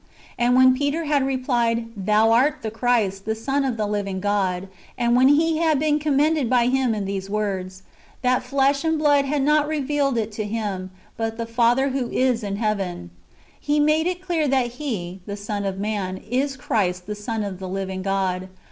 "^ and when Peter had rephed, ^' Thou art the Christ, the Son of the living God;" and when he had been commended by Him [in these words], " That flesh and blood had not revealed it to him, but the Father who is in heaven," He made it clear that He, the Son of man, is Christ the Son of the living God.